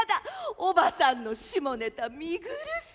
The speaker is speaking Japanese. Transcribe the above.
おばさんの下ネタ見苦しい。